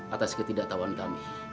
atas ketidaktahuan kami